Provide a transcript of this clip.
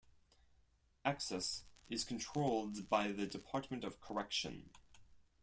Access is controlled by the Department of Correction.